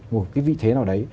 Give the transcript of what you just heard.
một cái vị thế nào đấy